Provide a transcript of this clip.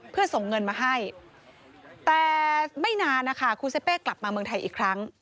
เพื่อส่งเงินมาให้แต่ไม่นานนะคะครูเซเป้กลับมาเมืองไทยอีกครั้ง